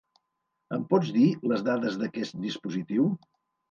Em pots dir les dades d'aquest dispositiu?